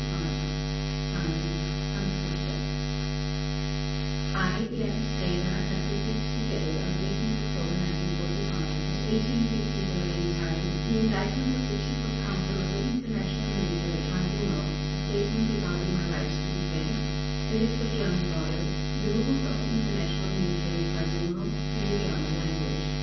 /s/ HANS FRITZSCHE I, Erich Raeder, have received today, on 18 October 1945, at 1850 Berlin time, the Indictment of the Chief of Counsel of the International Military Tribunal, a statement regarding my right to defense, a list of German lawyers, the Rules of the International Military Tribunal in the German language.